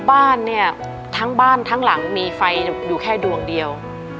บ้านเนี่ยทั้งบ้านทั้งหลังมีไฟอยู่แค่ดวงเดียว